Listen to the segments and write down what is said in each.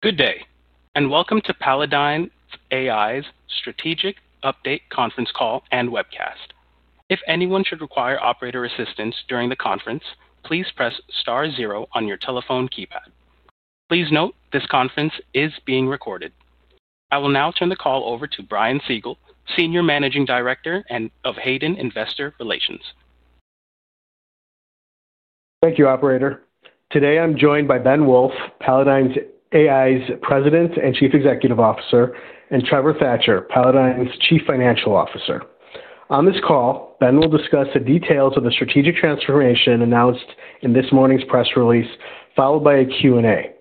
Good day, and welcome to Palladyne AI's strategic update conference call and webcast. If anyone should require operator assistance during the conference, please press star zero on your telephone keypad. Please note this conference is being recorded. I will now turn the call over to Brian Siegel, Senior Managing Director of Hayden Investor Relations. Thank you, Operator. Today I'm joined by Ben Wolff, Palladyne AI's President and Chief Executive Officer, and Trevor Thatcher, Palladyne's Chief Financial Officer. On this call, Ben will discuss the details of the strategic transformation announced in this morning's press release, followed by a Q&A.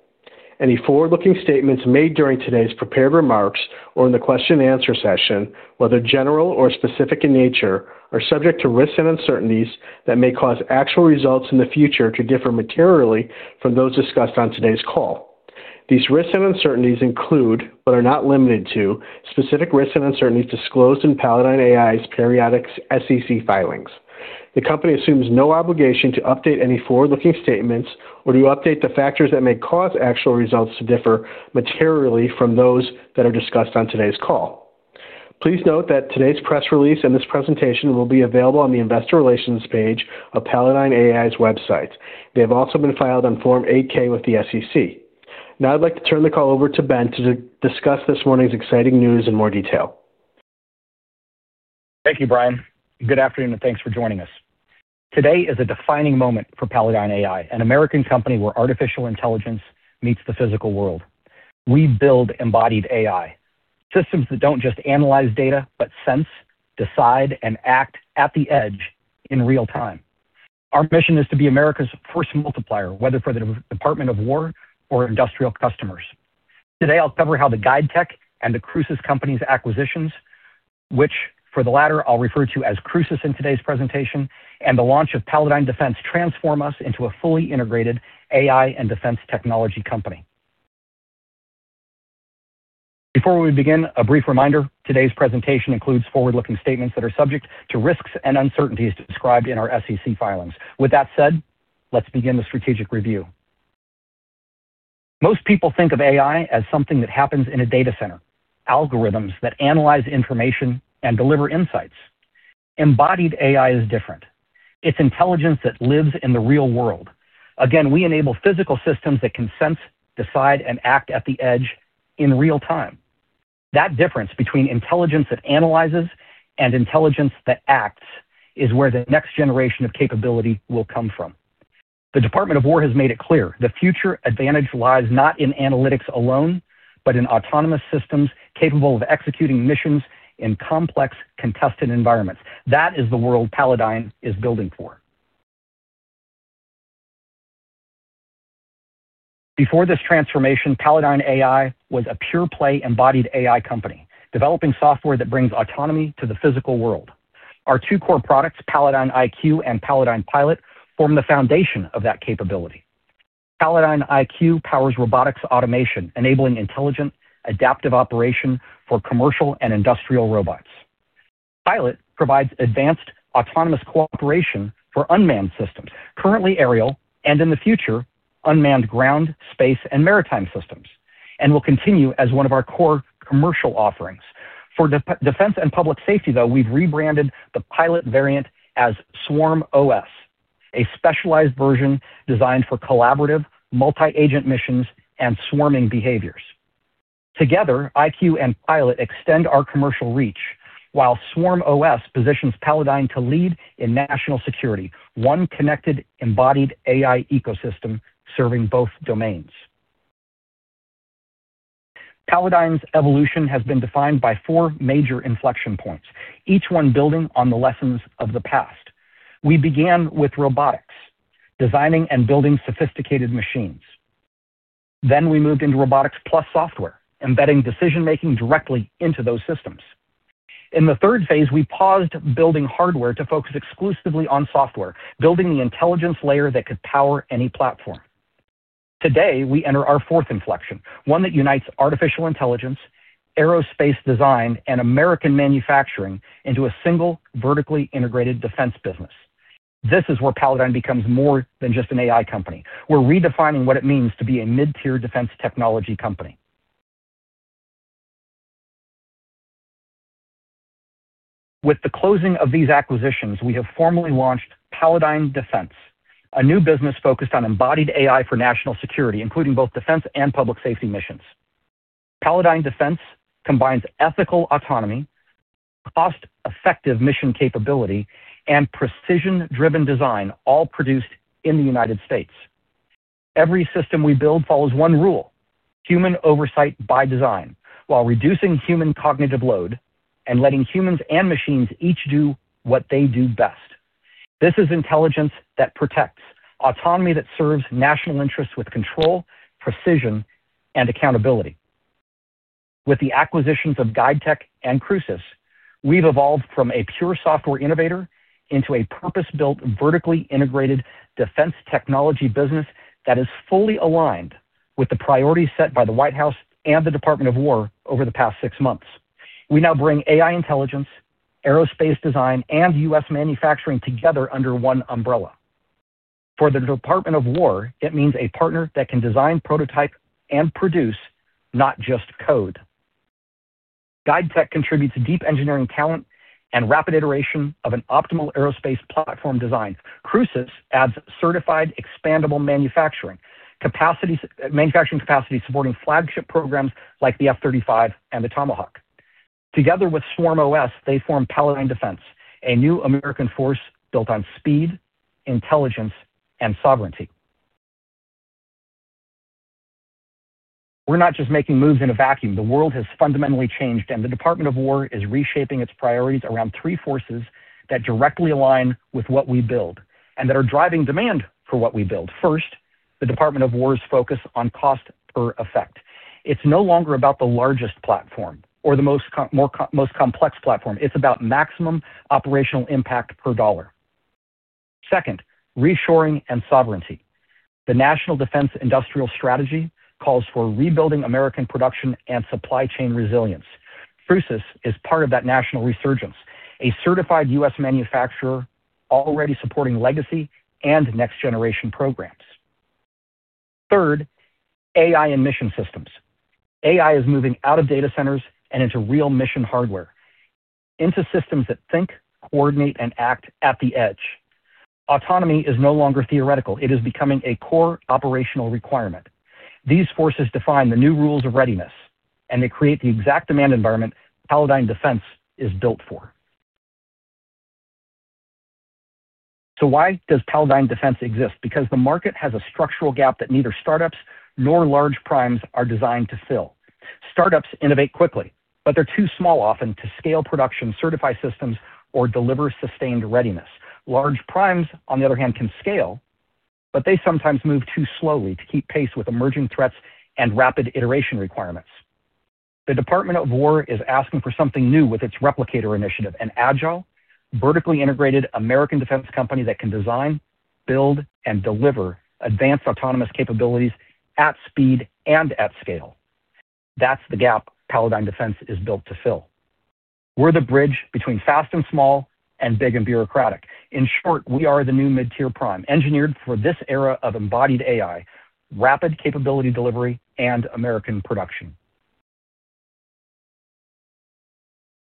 Any forward-looking statements made during today's prepared remarks or in the question-and-answer session, whether general or specific in nature, are subject to risks and uncertainties that may cause actual results in the future to differ materially from those discussed on today's call. These risks and uncertainties include, but are not limited to, specific risks and uncertainties disclosed in Palladyne AI's periodic SEC filings. The company assumes no obligation to update any forward-looking statements or to update the factors that may cause actual results to differ materially from those that are discussed on today's call. Please note that today's press release and this presentation will be available on the investor relations page of Palladyne AI's website. They have also been filed on Form 8K with the SEC. Now I'd like to turn the call over to Ben to discuss this morning's exciting news in more detail. Thank you, Brian. Good afternoon, and thanks for joining us. Today is a defining moment for Palladyne AI, an American company where artificial intelligence meets the physical world. We build embodied AI systems that do not just analyze data, but sense, decide, and act at the edge in real time. Our mission is to be America's first multiplier, whether for the Department of War or industrial customers. Today I will cover how the GuideTech and the Crucis Company's acquisitions, which for the latter I will refer to as Crucis in today's presentation, and the launch of Palladyne Defense transform us into a fully integrated AI and defense technology company. Before we begin, a brief reminder: today's presentation includes forward-looking statements that are subject to risks and uncertainties described in our SEC filings. With that said, let's begin the strategic review. Most people think of AI as something that happens in a data center: algorithms that analyze information and deliver insights. Embodied AI is different. It's intelligence that lives in the real world. Again, we enable physical systems that can sense, decide, and act at the edge in real time. That difference between intelligence that analyzes and intelligence that acts is where the next generation of capability will come from. The Department of War has made it clear: the future advantage lies not in analytics alone, but in autonomous systems capable of executing missions in complex, contested environments. That is the world Palladyne is building for. Before this transformation, Palladyne AI was a pure-play embodied AI company, developing software that brings autonomy to the physical world. Our two core products, Palladyne IQ and Palladyne Pilot, form the foundation of that capability. Palladyne IQ powers robotics automation, enabling intelligent, adaptive operation for commercial and industrial robots. Pilot provides advanced autonomous cooperation for unmanned systems, currently aerial, and in the future, unmanned ground, space, and maritime systems, and will continue as one of our core commercial offerings. For defense and public safety, though, we have rebranded the Pilot variant as SwarmOS, a specialized version designed for collaborative, multi-agent missions and swarming behaviors. Together, IQ and Pilot extend our commercial reach, while SwarmOS positions Palladyne to lead in national security: one connected, embodied AI ecosystem serving both domains. Palladyne's evolution has been defined by four major inflection points, each one building on the lessons of the past. We began with robotics, designing and building sophisticated machines. Then we moved into robotics plus software, embedding decision-making directly into those systems. In the third phase, we paused building hardware to focus exclusively on software, building the intelligence layer that could power any platform. Today we enter our fourth inflection, one that unites artificial intelligence, aerospace design, and American manufacturing into a single, vertically integrated defense business. This is where Palladyne becomes more than just an AI company. We're redefining what it means to be a mid-tier defense technology company. With the closing of these acquisitions, we have formally launched Palladyne Defense, a new business focused on embodied AI for national security, including both defense and public safety missions. Palladyne Defense combines ethical autonomy, cost-effective mission capability, and precision-driven design, all produced in the United States. Every system we build follows one rule: human oversight by design, while reducing human cognitive load and letting humans and machines each do what they do best. This is intelligence that protects, autonomy that serves national interests with control, precision, and accountability. With the acquisitions of GuideTech and Crucis, we've evolved from a pure software innovator into a purpose-built, vertically integrated defense technology business that is fully aligned with the priorities set by the White House and the Department of War over the past six months. We now bring AI intelligence, aerospace design, and U.S. manufacturing together under one umbrella. For the Department of War, it means a partner that can design, prototype, and produce, not just code. GuideTech contributes deep engineering talent and rapid iteration of an optimal aerospace platform design. Crucis adds certified, expandable manufacturing capacity supporting flagship programs like the F-35 and the Tomahawk. Together with SwarmOS, they form Palladyne Defense, a new American force built on speed, intelligence, and sovereignty. We're not just making moves in a vacuum. The world has fundamentally changed, and the Department of War is reshaping its priorities around three forces that directly align with what we build and that are driving demand for what we build. First, the Department of War's focus on cost per effect. It's no longer about the largest platform or the most complex platform. It's about maximum operational impact per dollar. Second, reshoring and sovereignty. The National Defense Industrial Strategy calls for rebuilding American production and supply chain resilience. Crucis is part of that national resurgence, a certified U.S. manufacturer already supporting legacy and next-generation programs. Third, AI and mission systems. AI is moving out of data centers and into real mission hardware, into systems that think, coordinate, and act at the edge. Autonomy is no longer theoretical. It is becoming a core operational requirement. These forces define the new rules of readiness, and they create the exact demand environment Palladyne Defense is built for. Why does Palladyne Defense exist? Because the market has a structural gap that neither start-ups nor large primes are designed to fill. Startups innovate quickly, but they're too small often to scale production, certify systems, or deliver sustained readiness. Large primes, on the other hand, can scale, but they sometimes move too slowly to keep pace with emerging threats and rapid iteration requirements. The Department of War is asking for something new with its Replicator initiative: an agile, vertically integrated American defense company that can design, build, and deliver advanced autonomous capabilities at speed and at scale. That's the gap Palladyne Defense is built to fill. We're the bridge between fast and small and big and bureaucratic. In short, we are the new mid-tier prime engineered for this era of embodied AI, rapid capability delivery, and American production.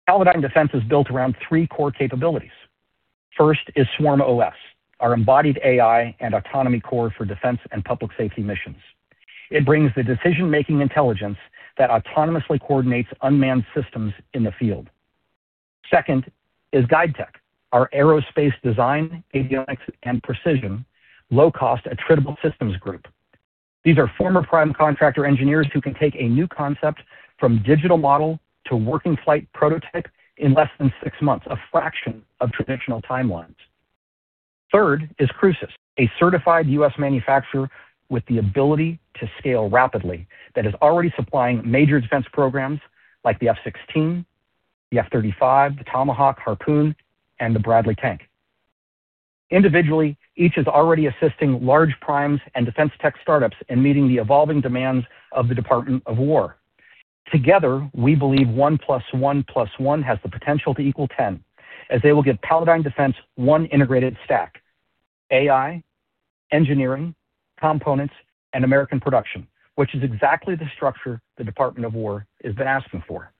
Palladyne Defense is built around three core capabilities. First is SwarmOS, our embodied AI and autonomy core for defense and public safety missions. It brings the decision-making intelligence that autonomously coordinates unmanned systems in the field. Second is GuideTech, our aerospace design, avionics, and precision low-cost, attributable systems group. These are former prime contractor engineers who can take a new concept from digital model to working flight prototype in less than six months, a fraction of traditional timelines. Third is Crucis, a certified U.S. manufacturer with the ability to scale rapidly that is already supplying major defense programs like the F-16, the F-35, the Tomahawk, Harpoon, and the Bradley tank. Individually, each is already assisting large primes and defense tech startups in meeting the evolving demands of the Department of War. Together, we believe one plus one plus one has the potential to equal ten, as they will give Palladyne Defense one integrated stack: AI, engineering, components, and American production, which is exactly the structure the Department of War has been asking for.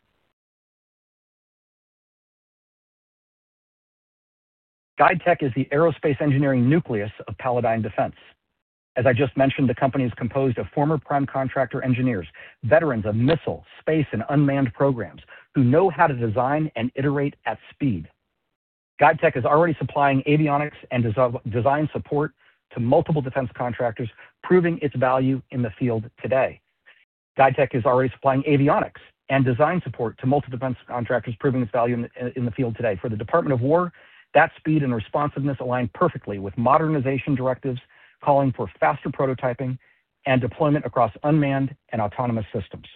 GuideTech is the aerospace engineering nucleus of Palladyne Defense. As I just mentioned, the company is composed of former prime contractor engineers, veterans of missile, space, and unmanned programs who know how to design and iterate at speed. GuideTech is already supplying avionics and design support to multiple defense contractors, proving its value in the field today. For the Department of War, that speed and responsiveness align perfectly with modernization directives calling for faster prototyping and deployment across unmanned and autonomous systems.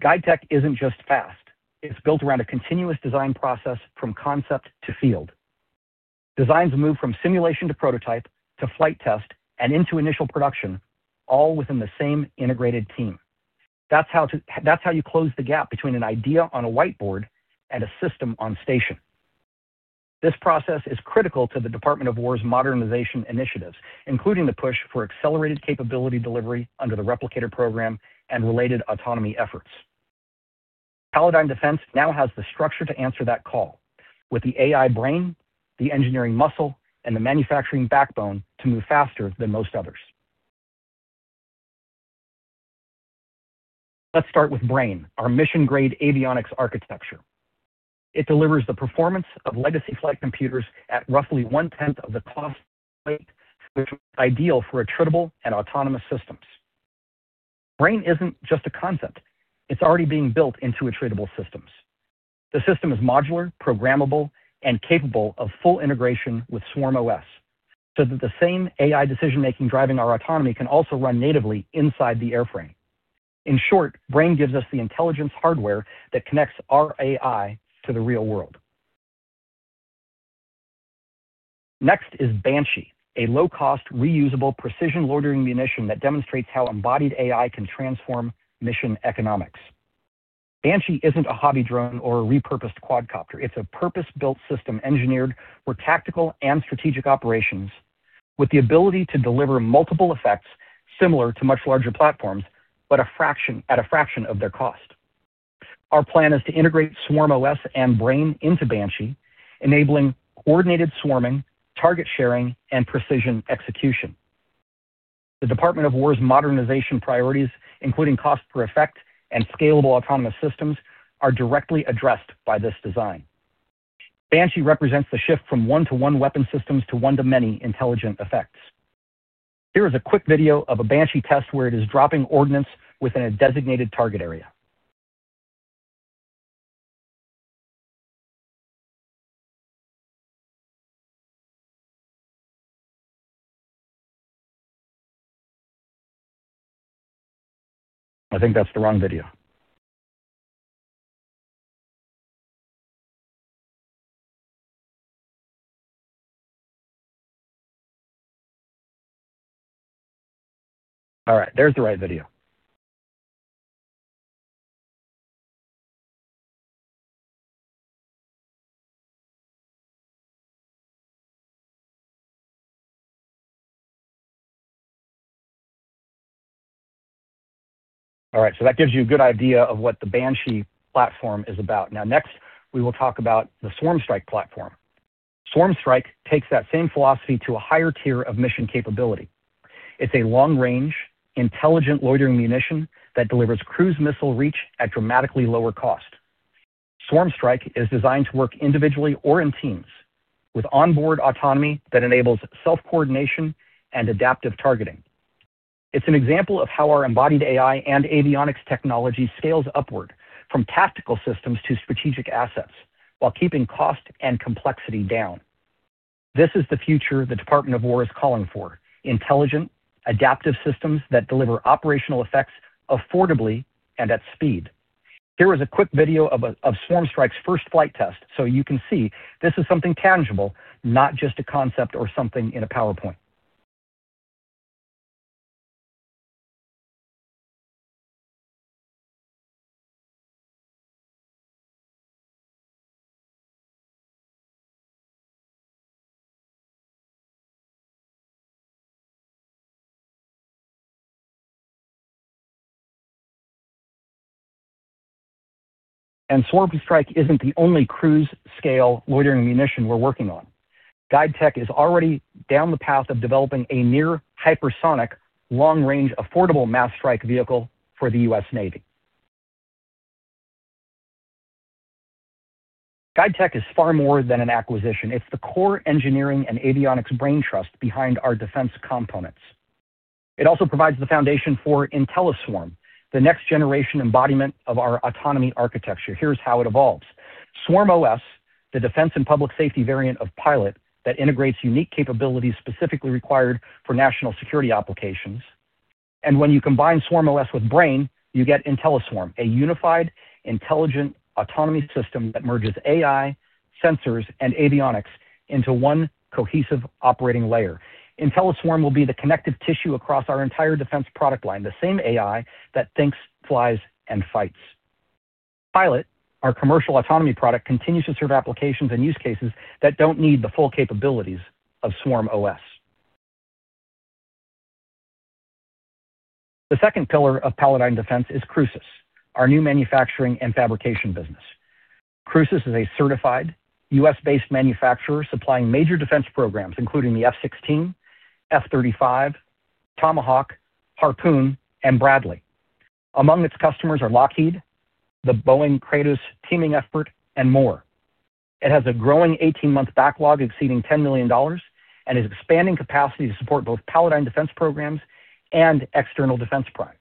GuideTech isn't just fast. It's built around a continuous design process from concept to field. Designs move from simulation to prototype to flight test and into initial production, all within the same integrated team. That's how you close the gap between an idea on a whiteboard and a system on station. This process is critical to the Department of War's modernization initiatives, including the push for accelerated capability delivery under the Replicator initiative and related autonomy efforts. Palladyne Defense now has the structure to answer that call with the AI Brain, the engineering muscle, and the manufacturing backbone to move faster than most others. Let's start with Brain, our mission-grade avionics architecture. It delivers the performance of legacy flight computers at roughly one-tenth of the cost of flight, which is ideal for attributable and autonomous systems. Brain isn't just a concept. It's already being built into attributable systems. The system is modular, programmable, and capable of full integration with SwarmOS so that the same AI decision-making driving our autonomy can also run natively inside the airframe. In short, Brain gives us the intelligence hardware that connects our AI to the real world. Next is Banshee, a low-cost, reusable precision loitering munition that demonstrates how embodied AI can transform mission economics. Banshee isn't a hobby drone or a repurposed quadcopter. It's a purpose-built system engineered for tactical and strategic operations with the ability to deliver multiple effects similar to much larger platforms, but at a fraction of their cost. Our plan is to integrate SwarmOS and Brain into Banshee, enabling coordinated swarming, target sharing, and precision execution. The Department of War's modernization priorities, including cost per effect and scalable autonomous systems, are directly addressed by this design. Banshee represents the shift from one-to-one weapon systems to one-to-many intelligent effects. Here is a quick video of a Banshee test where it is dropping ordnance within a designated target area. I think that's the wrong video. All right, there's the right video. All right, so that gives you a good idea of what the Banshee platform is about. Now, next, we will talk about the SwarmStrike platform. SwarmStrike takes that same philosophy to a higher tier of mission capability. It's a long-range, intelligent loitering munition that delivers cruise missile reach at dramatically lower cost. SwarmStrike is designed to work individually or in teams with onboard autonomy that enables self-coordination and adaptive targeting. It's an example of how our embodied AI and avionics technology scales upward from tactical systems to strategic assets while keeping cost and complexity down. This is the future the Department of War is calling for: intelligent, adaptive systems that deliver operational effects affordably and at speed. Here is a quick video of SwarmStrike's first flight test so you can see this is something tangible, not just a concept or something in a PowerPoint. SwarmStrike isn't the only Crucis-scale loitering munition we're working on. GuideTech is already down the path of developing a near-hypersonic, long-range, affordable mass strike vehicle for the U.S. Navy. GuideTech is far more than an acquisition. It's the core engineering and avionics brain trust behind our defense components. It also provides the foundation for Intelliswarm, the next-generation embodiment of our autonomy architecture. Here's how it evolves: SwarmOS, the defense and public safety variant of Pilot that integrates unique capabilities specifically required for national security applications. When you combine SwarmOS with Brain, you get Intelliswarm, a unified, intelligent autonomy system that merges AI, sensors, and avionics into one cohesive operating layer. Intelliswarm will be the connective tissue across our entire defense product line, the same AI that thinks, flies, and fights. Pilot, our commercial autonomy product, continues to serve applications and use cases that do not need the full capabilities of SwarmOS. The second pillar of Palladyne Defense is Crucis, our new manufacturing and fabrication business. Crucis is a certified U.S.-based manufacturer supplying major defense programs, including the F-16, F-35, Tomahawk, Harpoon, and Bradley. Among its customers are Lockheed, the Boeing, Kratos teaming effort, and more. It has a growing 18-month backlog exceeding $10 million and is expanding capacity to support both Palladyne Defense programs and external defense primes.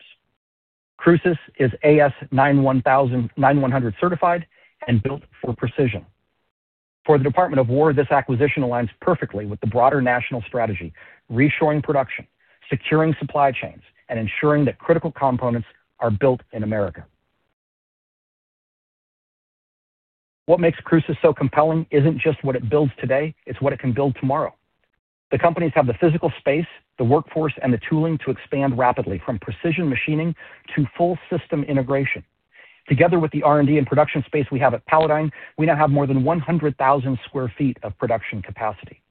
Crucis is AS 9100 certified and built for precision. For the Department of War, this acquisition aligns perfectly with the broader national strategy: reshoring production, securing supply chains, and ensuring that critical components are built in America. What makes Crucis so compelling isn't just what it builds today; it's what it can build tomorrow. The companies have the physical space, the workforce, and the tooling to expand rapidly, from precision machining to full system integration. Together with the R&D and production space we have at Palladyne, we now have more than 100,000 sq ft of production capacity.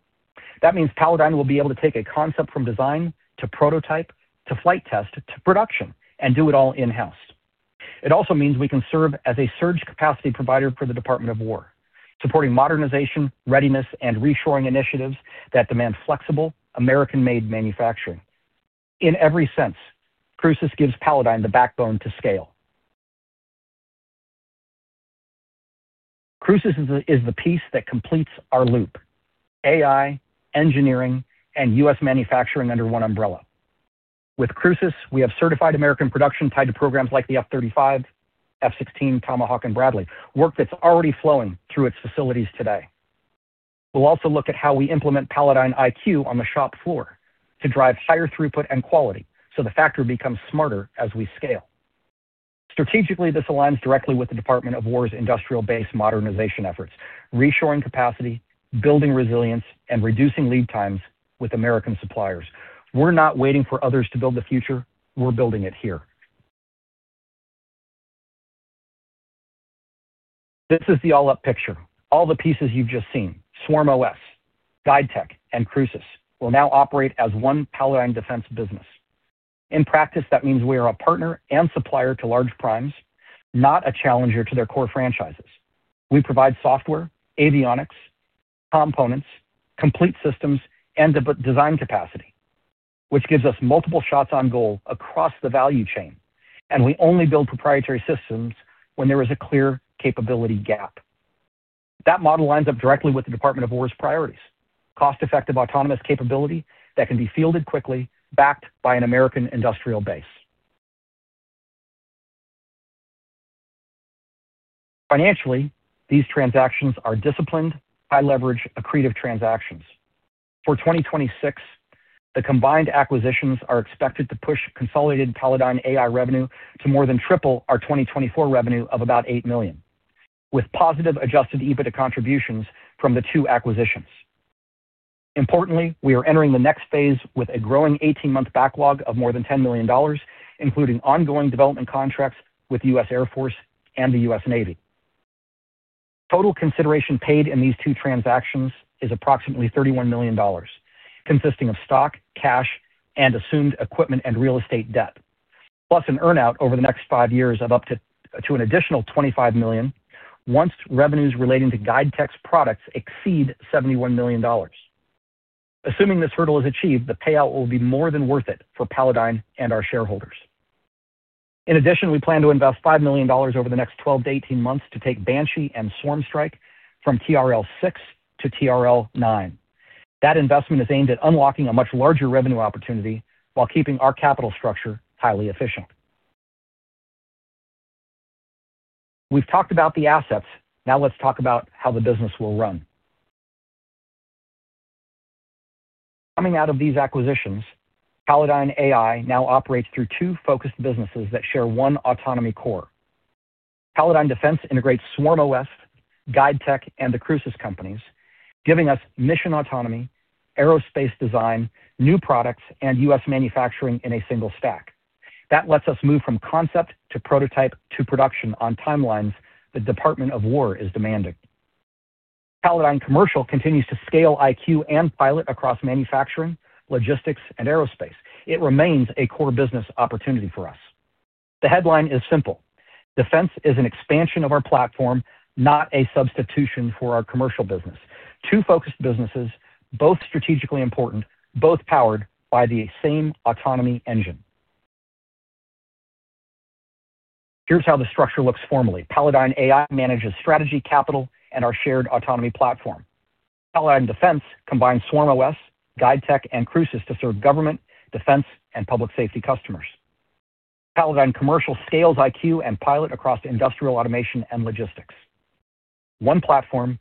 That means Palladyne will be able to take a concept from design to prototype to flight test to production and do it all in-house. It also means we can serve as a surge capacity provider for the Department of War, supporting modernization, readiness, and reshoring initiatives that demand flexible, American-made manufacturing. In every sense, Crucis gives Palladyne the backbone to scale. Crucis is the piece that completes our loop: AI, engineering, and U.S. manufacturing under one umbrella. With Crucis, we have certified American production tied to programs like the F-35, F-16, Tomahawk, and Bradley, work that's already flowing through its facilities today. We'll also look at how we implement Palladyne IQ on the shop floor to drive higher throughput and quality so the factory becomes smarter as we scale. Strategically, this aligns directly with the Department of War's industrial-based modernization efforts: reshoring capacity, building resilience, and reducing lead times with American suppliers. We're not waiting for others to build the future; we're building it here. This is the all-up picture. All the pieces you have just seen: SwarmOS, GuideTech, and Crucis will now operate as one Palladyne Defense business. In practice, that means we are a partner and supplier to large primes, not a challenger to their core franchises. We provide software, avionics, components, complete systems, and design capacity, which gives us multiple shots on goal across the value chain. We only build proprietary systems when there is a clear capability gap. That model lines up directly with the Department of War's priorities: cost-effective autonomous capability that can be fielded quickly, backed by an American industrial base. Financially, these transactions are disciplined, high-leverage, accretive transactions. For 2026, the combined acquisitions are expected to push consolidated Palladyne AI revenue to more than triple our 2024 revenue of about $8 million, with positive adjusted EBITDA contributions from the two acquisitions. Importantly, we are entering the next phase with a growing 18-month backlog of more than $10 million, including ongoing development contracts with the U.S. Air Force and the U.S. Navy. Total consideration paid in these two transactions is approximately $31 million, consisting of stock, cash, and assumed equipment and real estate debt, plus an earnout over the next five years of up to an additional $25 million once revenues relating to GuideTech's products exceed $71 million. Assuming this hurdle is achieved, the payout will be more than worth it for Palladyne and our shareholders. In addition, we plan to invest $5 million over the next 12 to 18 months to take Banshee and SwarmStrike from TRL6 to TRL9. That investment is aimed at unlocking a much larger revenue opportunity while keeping our capital structure highly efficient. We've talked about the assets. Now let's talk about how the business will run. Coming out of these acquisitions, Palladyne AI now operates through two focused businesses that share one autonomy core. Palladyne Defense integrates SwarmOS, GuideTech, and the Crucis companies, giving us mission autonomy, aerospace design, new products, and U.S. manufacturing in a single stack. That lets us move from concept to prototype to production on timelines the Department of War is demanding. Palladyne Commercial continues to scale IQ and Pilot across manufacturing, logistics, and aerospace. It remains a core business opportunity for us. The headline is simple: Defense is an expansion of our platform, not a substitution for our commercial business. Two focused businesses, both strategically important, both powered by the same autonomy engine. Here's how the structure looks formally. Palladyne AI manages strategy, capital, and our shared autonomy platform. Palladyne Defense combines SwarmOS, GuideTech, and Crucis to serve government, defense, and public safety customers. Palladyne Commercial scales IQ and Pilot across industrial automation and logistics. One platform,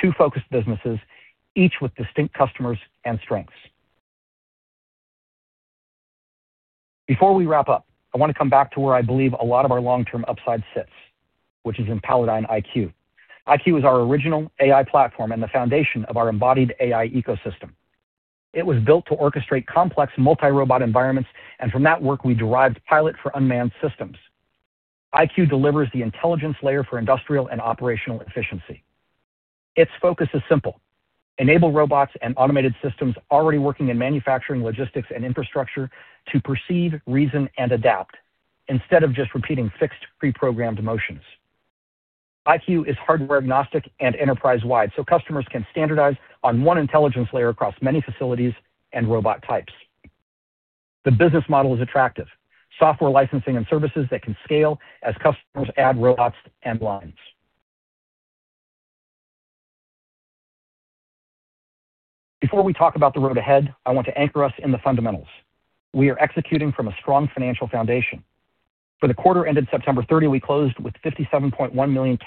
two focused businesses, each with distinct customers and strengths. Before we wrap up, I want to come back to where I believe a lot of our long-term upside sits, which is in Palladyne IQ. IQ is our original AI platform and the foundation of our embodied AI ecosystem. It was built to orchestrate complex multi-robot environments, and from that work, we derived Pilot for unmanned systems. IQ delivers the intelligence layer for industrial and operational efficiency. Its focus is simple: enable robots and automated systems already working in manufacturing, logistics, and infrastructure to perceive, reason, and adapt, instead of just repeating fixed, pre-programmed motions. IQ is hardware-agnostic and enterprise-wide, so customers can standardize on one intelligence layer across many facilities and robot types. The business model is attractive: software licensing and services that can scale as customers add robots and lines. Before we talk about the road ahead, I want to anchor us in the fundamentals. We are executing from a strong financial foundation. For the quarter ended September 30, we closed with $57.1 million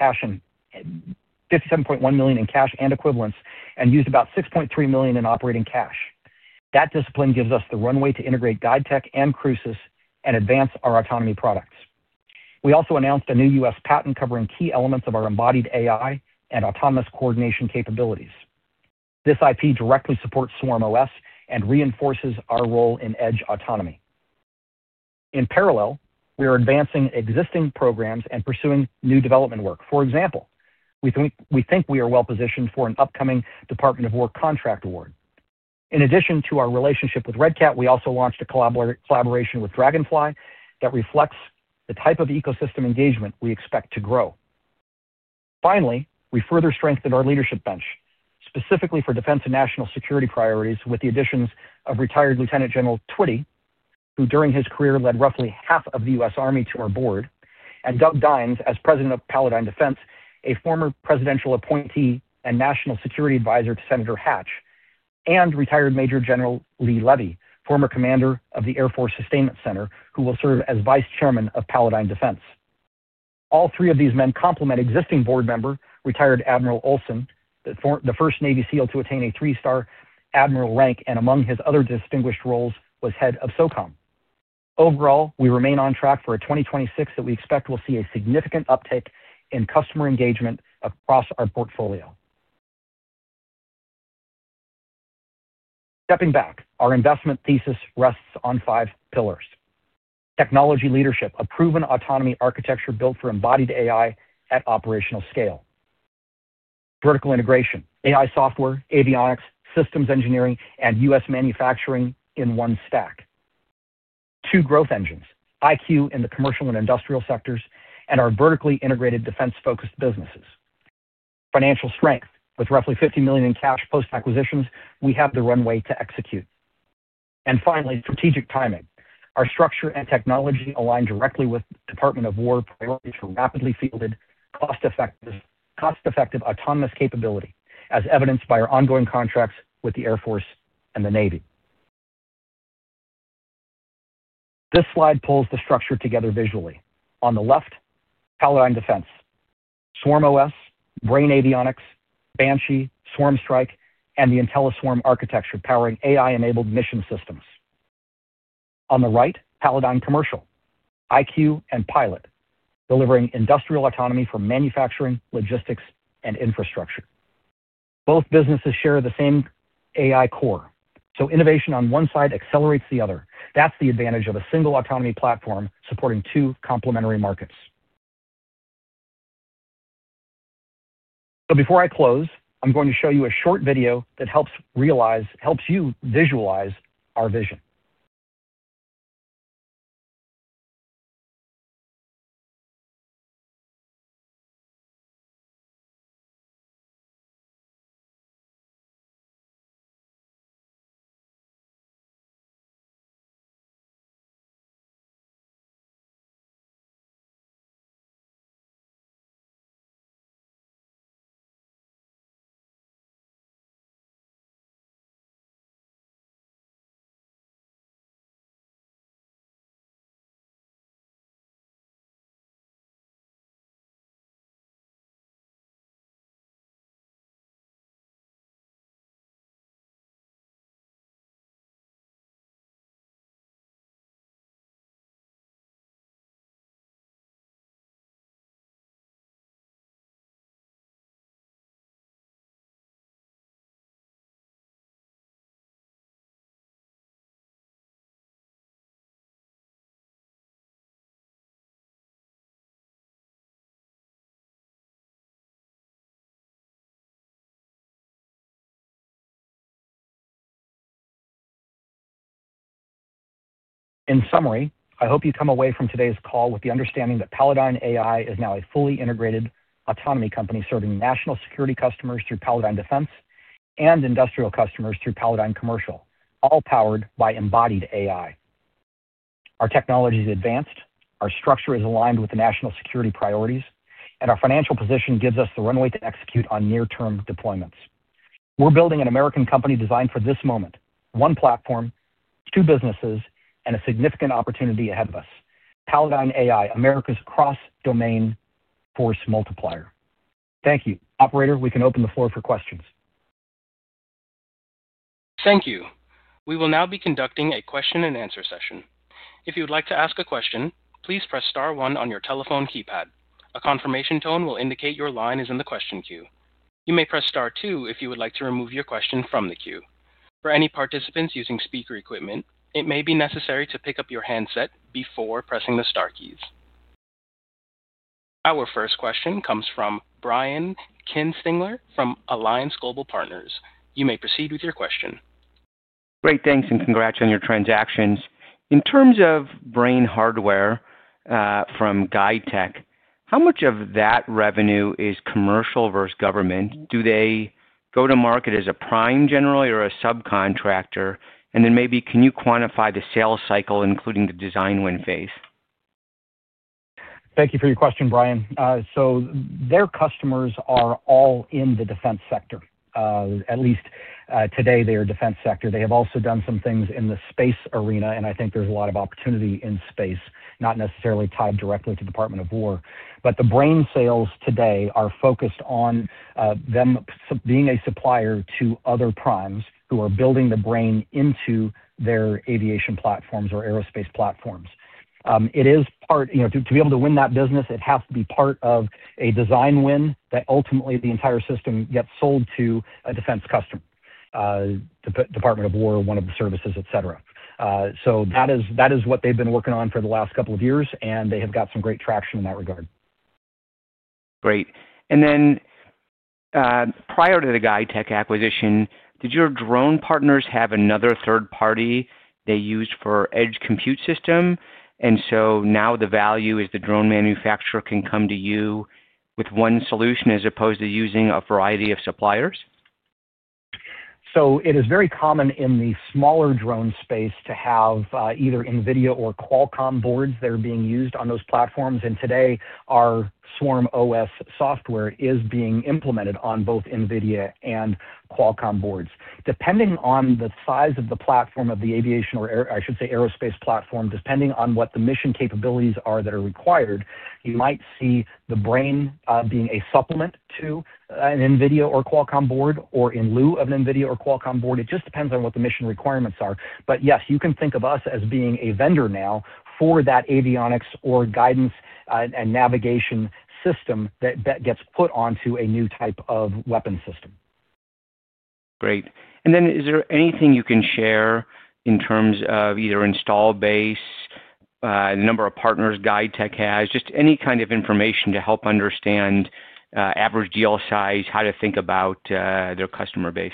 in cash and equivalents and used about $6.3 million in operating cash. That discipline gives us the runway to integrate GuideTech and Crucis and advance our autonomy products. We also announced a new U.S. patent covering key elements of our embodied AI and autonomous coordination capabilities. This IP directly supports SwarmOS and reinforces our role in edge autonomy. In parallel, we are advancing existing programs and pursuing new development work. For example, we think we are well-positioned for an upcoming Department of War contract award. In addition to our relationship with Red Cat, we also launched a collaboration with Draganfly that reflects the type of ecosystem engagement we expect to grow. Finally, we further strengthened our leadership bench, specifically for defense and national security priorities, with the additions of retired Lieutenant General Twitty, who during his career led roughly half of the U.S. Army to our board, and Doug Dines as President of Palladyne Defense, a former presidential appointee and national security advisor to Senator Hatch, and retired Major General Lee Levy, former commander of the Air Force Sustainment Center, who will serve as Vice Chairman of Palladyne Defense. All three of these men complement existing board member, retired Admiral Olson, the first Navy SEAL to attain a three-star admiral rank, and among his other distinguished roles was head of SOCOM. Overall, we remain on track for a 2026 that we expect will see a significant uptick in customer engagement across our portfolio. Stepping back, our investment thesis rests on five pillars: technology leadership, a proven autonomy architecture built for embodied AI at operational scale; vertical integration: AI software, avionics, systems engineering, and U.S. manufacturing in one stack; two growth engines: IQ in the commercial and industrial sectors and our vertically integrated defense-focused businesses; financial strength: with roughly $50 million in cash post-acquisitions, we have the runway to execute; and finally, strategic timing. Our structure and technology align directly with the Department of War priorities for rapidly fielded, cost-effective autonomous capability, as evidenced by our ongoing contracts with the U.S. Air Force and the Navy. This slide pulls the structure together visually. On the left, Palladyne Defense: SwarmOS, Brain avionics, Banshee, SwarmStrike, and the Intelliswarm architecture powering AI-enabled mission systems. On the right, Palladyne Commercial: IQ and Pilot, delivering industrial autonomy for manufacturing, logistics, and infrastructure. Both businesses share the same AI core, so innovation on one side accelerates the other. That is the advantage of a single autonomy platform supporting two complementary markets. Before I close, I am going to show you a short video that helps you visualize our vision. In summary, I hope you come away from today's call with the understanding that Palladyne AI is now a fully integrated autonomy company serving national security customers through Palladyne Defense and industrial customers through Palladyne Commercial, all powered by embodied AI. Our technology is advanced, our structure is aligned with the national security priorities, and our financial position gives us the runway to execute on near-term deployments. We're building an American company designed for this moment: one platform, two businesses, and a significant opportunity ahead of us: Palladyne AI, America's cross-domain force multiplier. Thank you. Operator, we can open the floor for questions. Thank you. We will now be conducting a question-and-answer session. If you would like to ask a question, please press star one on your telephone keypad. A confirmation tone will indicate your line is in the question queue. You may press star one if you would like to remove your question from the queue. For any participants using speaker equipment, it may be necessary to pick up your handset before pressing the star keys. Our first question comes from Brian Kinstlinger from Alliance Global Partners. You may proceed with your question. Great. Thanks, and congrats on your transactions. In terms of Brain hardware from GuideTech, how much of that revenue is commercial versus government? Do they go to market as a prime general or a subcontractor? And then maybe, can you quantify the sales cycle, including the design win phase? Thank you for your question, Brian. So their customers are all in the defense sector. At least today, they are defense sector. They have also done some things in the space arena, and I think there is a lot of opportunity in space, not necessarily tied directly to the Department of War. But the Brain sales today are focused on them being a supplier to other primes who are building the Brain into their aviation platforms or aerospace platforms. It is part—to be able to win that business, it has to be part of a design win that ultimately the entire system gets sold to a defense customer: the Department of War, one of the services, etc. That is what they've been working on for the last couple of years, and they have got some great traction in that regard. Great. Prior to the GuideTech acquisition, did your drone partners have another third party they used for edge compute system? Now the value is the drone manufacturer can come to you with one solution as opposed to using a variety of suppliers? It is very common in the smaller drone space to have either NVIDIA or Qualcomm boards that are being used on those platforms. Today, our SwarmOS software is being implemented on both NVIDIA and Qualcomm boards. Depending on the size of the platform of the aviation or, I should say, aerospace platform, depending on what the mission capabilities are that are required, you might see the Brain being a supplement to an NVIDIA or Qualcomm board or in lieu of an NVIDIA or Qualcomm board. It just depends on what the mission requirements are. Yes, you can think of us as being a vendor now for that avionics or guidance and navigation system that gets put onto a new type of weapon system. Great. Is there anything you can share in terms of either install base, the number of partners GuideTech has, just any kind of information to help understand average deal size, how to think about their customer base?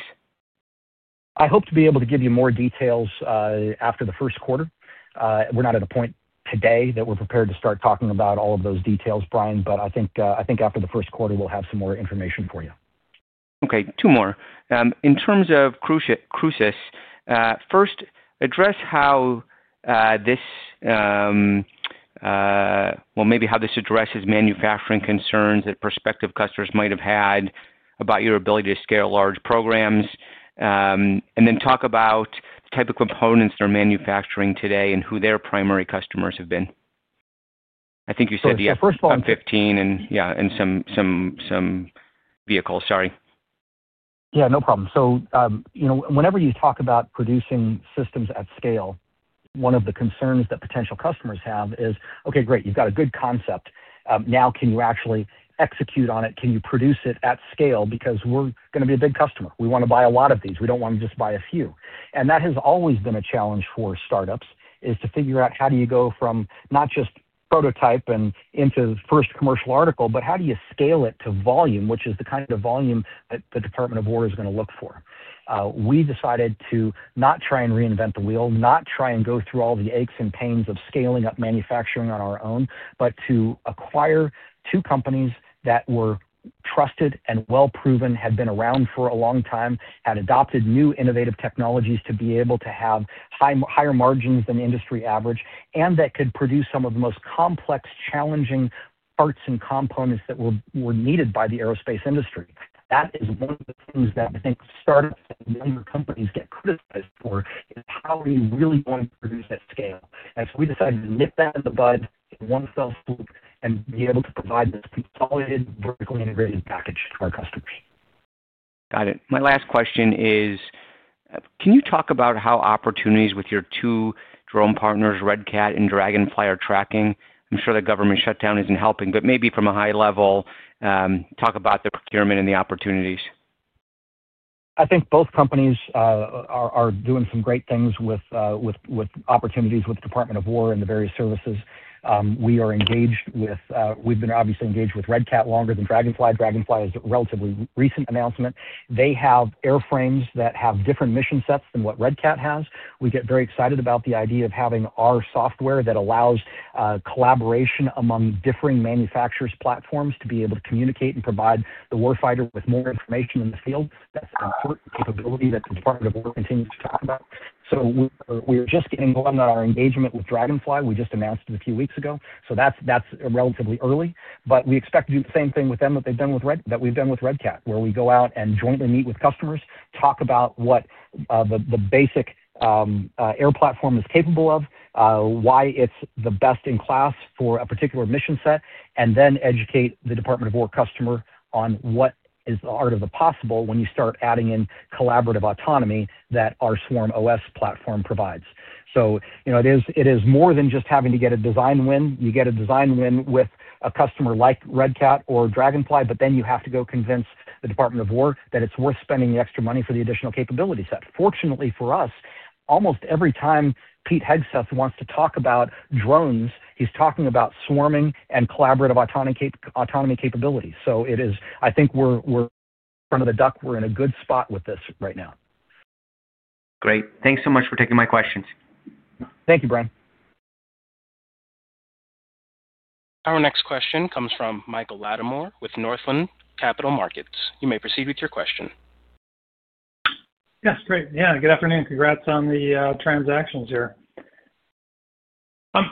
I hope to be able to give you more details after the first quarter. We're not at a point today that we're prepared to start talking about all of those details, Brian, but I think after the first quarter, we'll have some more information for you. Okay. Two more. In terms of Crucis, first, address how this—well, maybe how this addresses manufacturing concerns that prospective customers might have had about your ability to scale large programs, and then talk about the type of components they're manufacturing today and who their primary customers have been. I think you said yes. So first of all, yeah, and some vehicles. Sorry. Yeah. No problem. Whenever you talk about producing systems at scale, one of the concerns that potential customers have is, "Okay, great. You've got a good concept. Now, can you actually execute on it? Can you produce it at scale? Because we're going to be a big customer. We want to buy a lot of these. We don't want to just buy a few. That has always been a challenge for start-ups, is to figure out how do you go from not just prototype and into the first commercial article, but how do you scale it to volume, which is the kind of volume that the Department of War is going to look for. We decided to not try and reinvent the wheel, not try and go through all the aches and pains of scaling up manufacturing on our own, but to acquire two companies that were trusted and well-proven, had been around for a long time, had adopted new innovative technologies to be able to have higher margins than industry average, and that could produce some of the most complex, challenging parts and components that were needed by the aerospace industry. That is one of the things that I think startups and younger companies get criticized for, is how are you really going to produce at scale? We decided to nip that in the bud in one fell swoop and be able to provide this consolidated, vertically integrated package to our customers. Got it. My last question is, can you talk about how opportunities with your two drone partners, RedCat and Draganfly, are tracking? I'm sure the government shutdown isn't helping, but maybe from a high level, talk about the procurement and the opportunities. I think both companies are doing some great things with opportunities with the Department of War and the various services we are engaged with. We've been obviously engaged with Red Cat longer than Draganfly. Draganfly is a relatively recent announcement. They have airframes that have different mission sets than what Red Cat has. We get very excited about the idea of having our software that allows collaboration among differing manufacturers' platforms to be able to communicate and provide the warfighter with more information in the field. That's an important capability that the Department of War continues to talk about. We are just getting on our engagement with Draganfly. We just announced it a few weeks ago. That's relatively early. We expect to do the same thing with them that we've done with Red Cat, where we go out and jointly meet with customers, talk about what the basic air platform is capable of, why it's the best in class for a particular mission set, and then educate the Department of War customer on what is the art of the possible when you start adding in collaborative autonomy that our SwarmOS platform provides. It is more than just having to get a design win. You get a design win with a customer like Red Cat or Draganfly, but then you have to go convince the Department of War that it's worth spending the extra money for the additional capability set. Fortunately for us, almost every time Pete Hegseth wants to talk about drones, he's talking about swarming and collaborative autonomy capabilities. I think we're in front of the duck. We're in a good spot with this right now. Great. Thanks so much for taking my questions. Thank you, Brian. Our next question comes from Michael Lattimore with Northland Capital Markets. You may proceed with your question. Yes. Great. Yeah. Good afternoon. Congrats on the transactions here.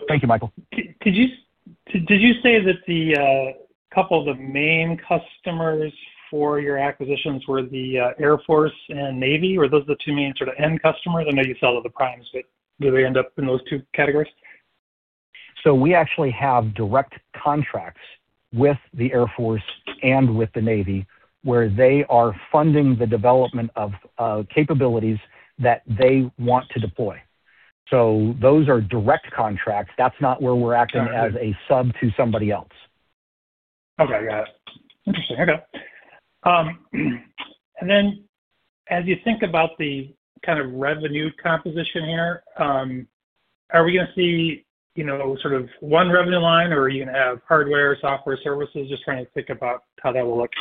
Thank you, Michael. Did you say that a couple of the main customers for your acquisitions were the Air Force and Navy? Were those the two main sort of end customers? I know you sell to the primes, but do they end up in those two categories? I know you sell to the primes, but do they end up in those two categories? We actually have direct contracts with the Air Force and with the Navy where they are funding the development of capabilities that they want to deploy. Those are direct contracts. That's not where we're acting as a sub to somebody else. Okay. Got it. Interesting. Okay. As you think about the kind of revenue composition here, are we going to see sort of one revenue line, or are you going to have hardware, software, services? Just trying to think about how that will look.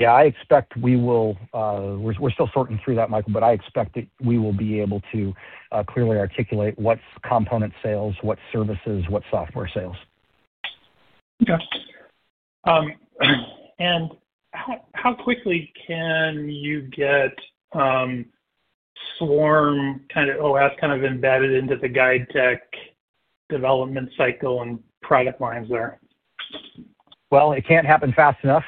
Yeah. I expect we will—we're still sorting through that, Michael, but I expect that we will be able to clearly articulate what's component sales, what's services, what's software sales. Okay. How quickly can you get SwarmOS kind of embedded into the GuideTech development cycle and product lines there? It cannot happen fast enough.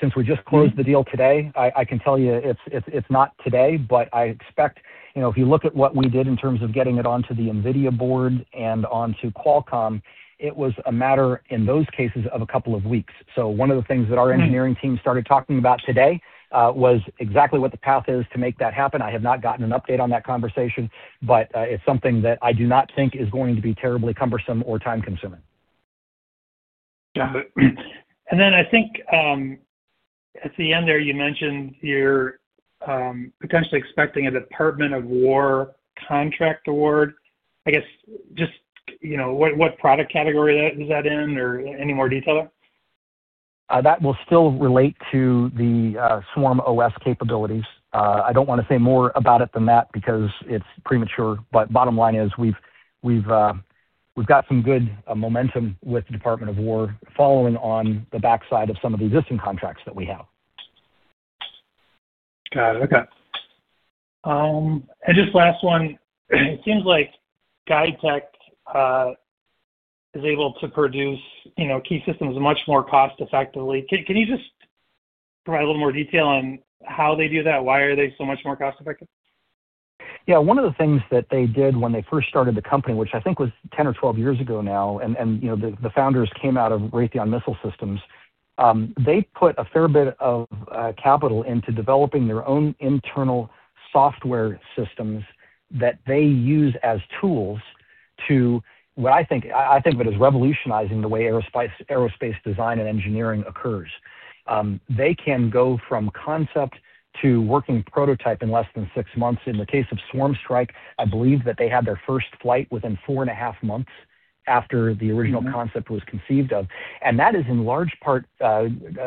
Since we just closed the deal today, I can tell you it is not today, but I expect if you look at what we did in terms of getting it onto the NVIDIA board and onto Qualcomm, it was a matter in those cases of a couple of weeks. One of the things that our engineering team started talking about today was exactly what the path is to make that happen. I have not gotten an update on that conversation, but it is something that I do not think is going to be terribly cumbersome or time-consuming. Got it. I think at the end there, you mentioned you are potentially expecting a Department of War contract award. I guess just what product category is that in or any more detail there? That will still relate to the SwarmOS capabilities. I do not want to say more about it than that because it is premature. Bottom line is we have got some good momentum with the Department of War following on the backside of some of the existing contracts that we have. Got it. Okay. Just last one. It seems like GuideTech is able to produce key systems much more cost-effectively. Can you just provide a little more detail on how they do that? Why are they so much more cost-effective? Yeah. One of the things that they did when they first started the company, which I think was 10 or 12 years ago now, and the founders came out of Raytheon Missile Systems, they put a fair bit of capital into developing their own internal software systems that they use as tools to—well, I think of it as revolutionizing the way aerospace design and engineering occurs. They can go from concept to working prototype in less than six months. In the case of SwarmStrike, I believe that they had their first flight within four and a half months after the original concept was conceived of. That is in large part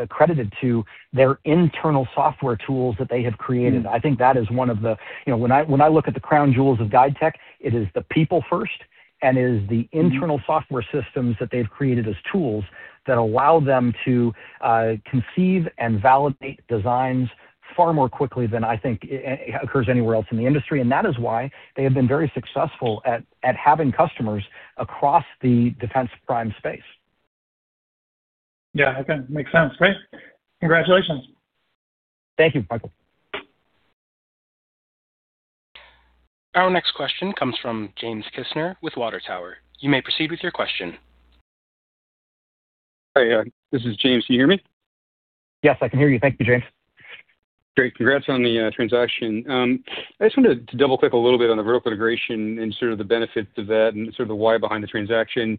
credited to their internal software tools that they have created. I think that is one of the—when I look at the crown jewels of GuideTech, it is the people first, and it is the internal software systems that they've created as tools that allow them to conceive and validate designs far more quickly than I think occurs anywhere else in the industry. That is why they have been very successful at having customers across the defense prime space. Yeah. Okay. Makes sense. Great. Congratulations. Thank you, Michael. Our next question comes from James Kisner with Water Tower. You may proceed with your question. Hi. This is James. Can you hear me? Yes, I can hear you. Thank you, James. Great. Congrats on the transaction. I just wanted to double-click a little bit on the vertical integration and sort of the benefits of that and sort of the why behind the transaction.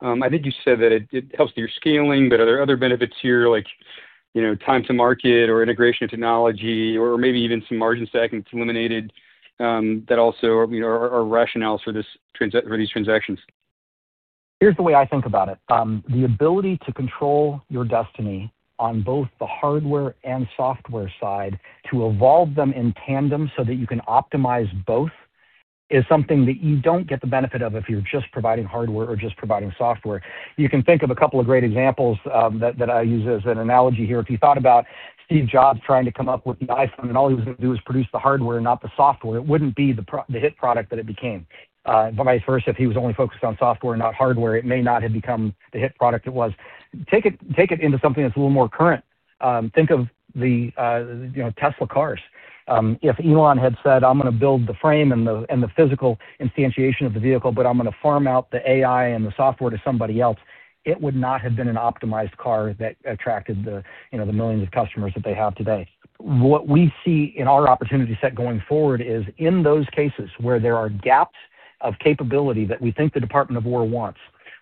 I think you said that it helps your scaling, but are there other benefits here, like time to market or integration technology or maybe even some margin stacking that's eliminated that also are rationales for these transactions? Here's the way I think about it. The ability to control your destiny on both the hardware and software side to evolve them in tandem so that you can optimize both is something that you don't get the benefit of if you're just providing hardware or just providing software. You can think of a couple of great examples that I use as an analogy here. If you thought about Steve Jobs trying to come up with the iPhone and all he was going to do was produce the hardware and not the software, it wouldn't be the hit product that it became. Vice versa, if he was only focused on software and not hardware, it may not have become the hit product it was. Take it into something that's a little more current. Think of the Tesla cars. If Elon had said, "I'm going to build the frame and the physical instantiation of the vehicle, but I'm going to farm out the AI and the software to somebody else," it would not have been an optimized car that attracted the millions of customers that they have today. What we see in our opportunity set going forward is in those cases where there are gaps of capability that we think the Department of War wants,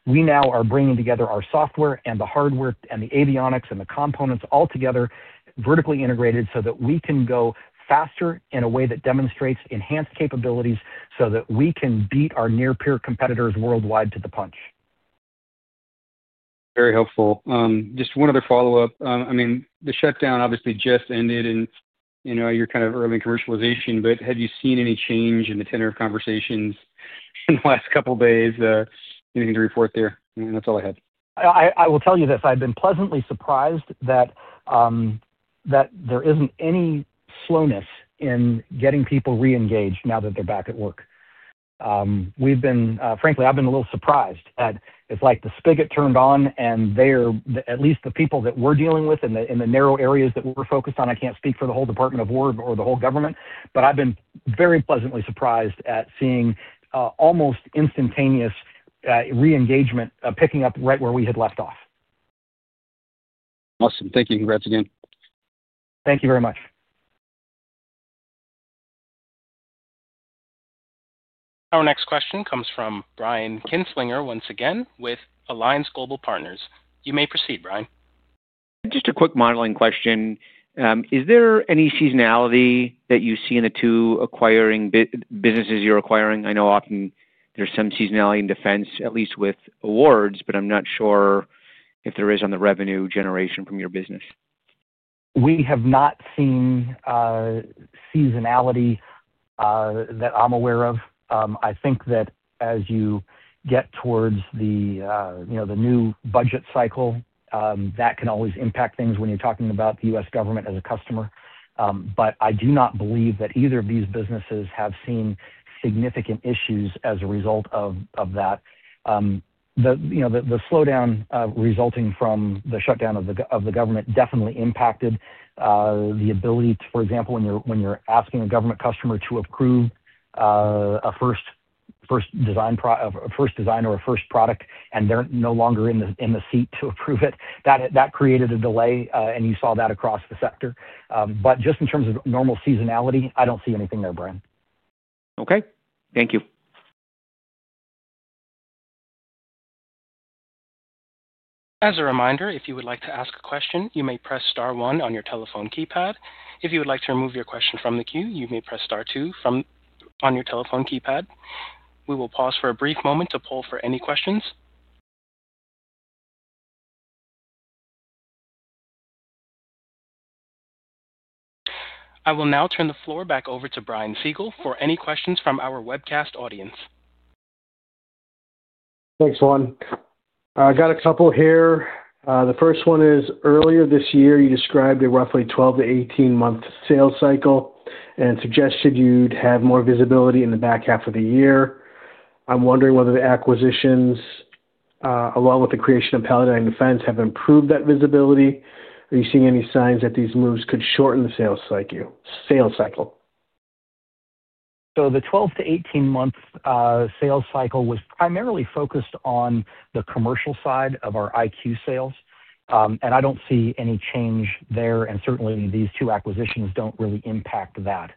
we now are bringing together our software and the hardware and the avionics and the components all together, vertically integrated so that we can go faster in a way that demonstrates enhanced capabilities so that we can beat our near-peer competitors worldwide to the punch. Very helpful. Just one other follow-up. I mean, the shutdown obviously just ended in your kind of early commercialization, but have you seen any change in the tenor of conversations in the last couple of days? Anything to report there? That's all I had. I will tell you this. I've been pleasantly surprised that there isn't any slowness in getting people re-engaged now that they're back at work. Frankly, I've been a little surprised that it's like the spigot turned on, and at least the people that we're dealing with in the narrow areas that we're focused on—I can't speak for the whole Department of War or the whole government—but I've been very pleasantly surprised at seeing almost instantaneous re-engagement picking up right where we had left off. Awesome. Thank you. Congrats again. Thank you very much. Our next question comes from Brian Kinstlinger once again with Alliance Global Partners. You may proceed, Brian. Just a quick modeling question. Is there any seasonality that you see in the two acquiring businesses you're acquiring? I know often there's some seasonality in defense, at least with awards, but I'm not sure if there is on the revenue generation from your business. We have not seen seasonality that I'm aware of. I think that as you get towards the new budget cycle, that can always impact things when you're talking about the U.S. government as a customer. I do not believe that either of these businesses have seen significant issues as a result of that. The slowdown resulting from the shutdown of the government definitely impacted the ability to, for example, when you're asking a government customer to approve a first design or a first product and they're no longer in the seat to approve it, that created a delay, and you saw that across the sector. Just in terms of normal seasonality, I don't see anything there, Brian. Okay. Thank you. As a reminder, if you would like to ask a question, you may press star one on your telephone keypad. If you would like to remove your question from the queue, you may press star two on your telephone keypad. We will pause for a brief moment to poll for any questions. I will now turn the floor back over to Brian Siegel for any questions from our webcast audience. Thanks, Juan. I got a couple here. The first one is earlier this year, you described a roughly 12 to 18 month sales cycle and suggested you'd have more visibility in the back half of the year. I'm wondering whether the acquisitions, along with the creation of Palladyne Defense, have improved that visibility. Are you seeing any signs that these moves could shorten the sales cycle? The 12 to 18 month sales cycle was primarily focused on the commercial side of our IQ sales, and I don't see any change there. Certainly, these two acquisitions don't really impact that.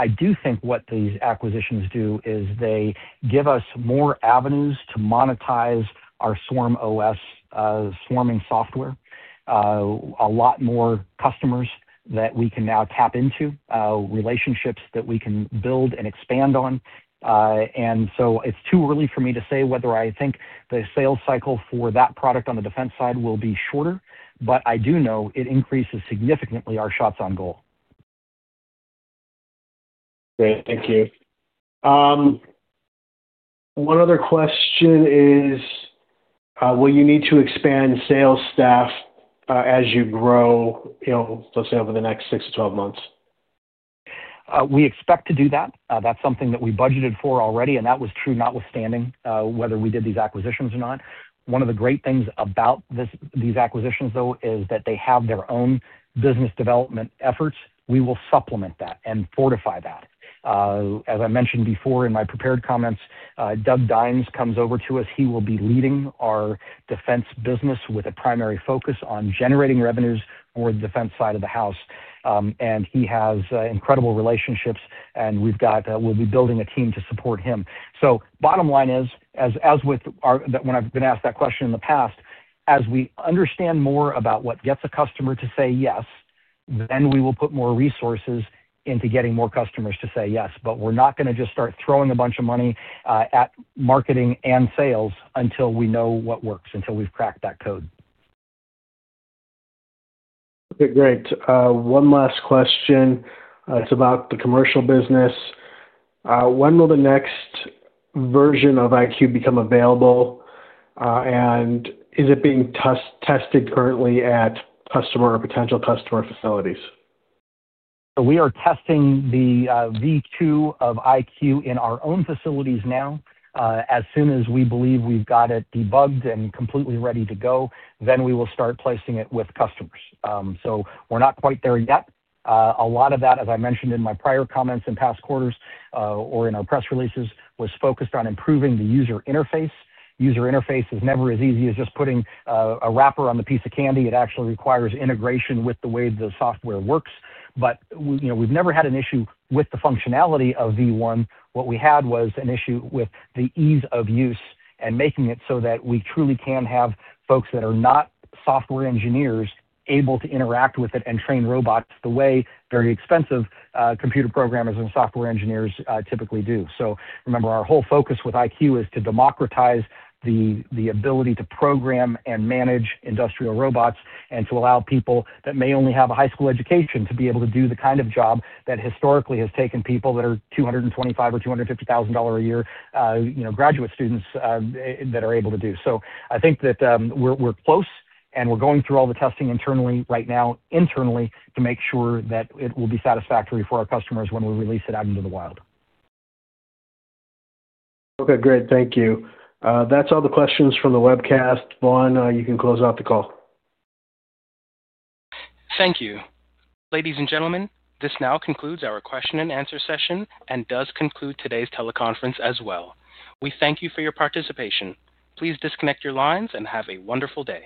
I do think what these acquisitions do is they give us more avenues to monetize our SwarmOS swarming software, a lot more customers that we can now tap into, relationships that we can build and expand on. It is too early for me to say whether I think the sales cycle for that product on the defense side will be shorter, but I do know it increases significantly our shots on goal. Great. Thank you. One other question is, will you need to expand sales staff as you grow, let's say, over the next six to 12 months? We expect to do that. That is something that we budgeted for already, and that was true notwithstanding whether we did these acquisitions or not. One of the great things about these acquisitions, though, is that they have their own business development efforts. We will supplement that and fortify that. As I mentioned before in my prepared comments, Doug Dines comes over to us. He will be leading our defense business with a primary focus on generating revenues for the defense side of the house. He has incredible relationships, and we'll be building a team to support him. The bottom line is, as with when I've been asked that question in the past, as we understand more about what gets a customer to say yes, then we will put more resources into getting more customers to say yes. We're not going to just start throwing a bunch of money at marketing and sales until we know what works, until we've cracked that code. Okay. Great. One last question. It's about the commercial business. When will the next version of IQ become available? Is it being tested currently at customer or potential customer facilities? We are testing the V2 of IQ in our own facilities now. As soon as we believe we've got it debugged and completely ready to go, then we will start placing it with customers. We are not quite there yet. A lot of that, as I mentioned in my prior comments in past quarters or in our press releases, was focused on improving the user interface. User interface is never as easy as just putting a wrapper on the piece of candy. It actually requires integration with the way the software works. We have never had an issue with the functionality of V1. What we had was an issue with the ease of use and making it so that we truly can have folks that are not software engineers able to interact with it and train robots the way very expensive computer programmers and software engineers typically do. Remember, our whole focus with IQ is to democratize the ability to program and manage industrial robots and to allow people that may only have a high school education to be able to do the kind of job that historically has taken people that are $225,000 or $250,000 a year graduate students that are able to do. I think that we're close, and we're going through all the testing internally right now to make sure that it will be satisfactory for our customers when we release it out into the wild. Okay. Great. Thank you. That's all the questions from the webcast. Juan, you can close out the call. Thank you. Ladies and gentlemen, this now concludes our question and answer session and does conclude today's teleconference as well. We thank you for your participation. Please disconnect your lines and have a wonderful day.